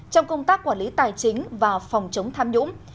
trong công tác quản lý tài chính và phòng chống tham nhũng